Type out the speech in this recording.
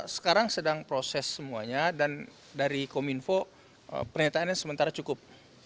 sekarang sedang proses semuanya dan dari kominfo pernyataannya sementara cukup